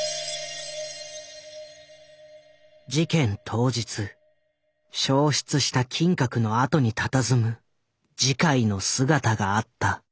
事件当日焼失した金閣の跡にたたずむ慈海の姿があった。